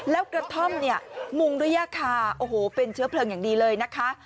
แล้วกระท่อมเนี่ยมุงด้วยย่าคาโอ้โหเป็นเชื้อเพลิงอย่างดีเลยนะคะ